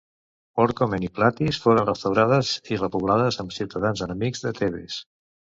Orcomen i Platees foren restaurades i repoblades amb ciutadans enemics de Tebes.